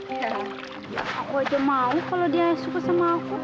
aku aja mau kalau dia suka sama aku